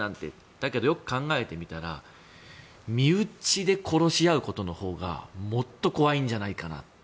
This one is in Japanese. だけどよく考えてみたら身内で殺し合うことのほうがもっと怖いんじゃないかと。